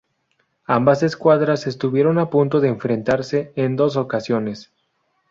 Ambas escuadras estuvieron a punto de enfrentarse en dos ocasiones.